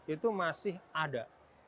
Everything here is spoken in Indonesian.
itu masih ada